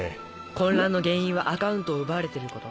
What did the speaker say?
混乱の原因はアカウントを奪われてること。